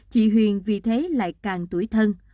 chị huyền vì thế lại càng tuổi thân